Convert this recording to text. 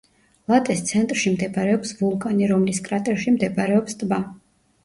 ლატეს ცენტრში მდებარეობს ვულკანი, რომლის კრატერში მდებარეობს ტბა.